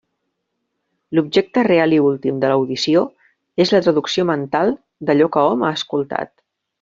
L'objecte real i últim de l'audició és la traducció mental d'allò que hom ha escoltat.